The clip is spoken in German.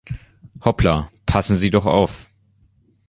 Hoppla, passen Sie doch auf!